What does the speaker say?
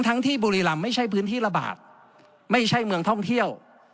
ที่บุรีรำไม่ใช่พื้นที่ระบาดไม่ใช่เมืองท่องเที่ยว